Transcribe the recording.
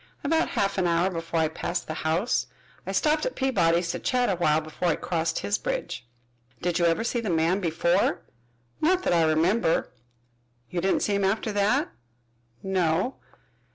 "About half an hour before I passed the house. I stopped at Peabody's to chat a while before I crossed his bridge." "Did you ever see the man before?" "Not that I remember." "You didn't see him after that?" "No."